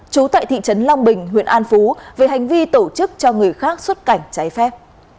trú tại thị trấn long bình huyện an phú về hành vi tổ chức cho người khác xuất cảnh trái phép